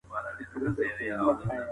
ته کولای شې د پوهي له لاري بریالی شې.